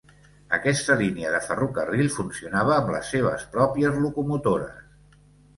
Aquesta línia de ferrocarril funcionava amb les seves pròpies locomotores.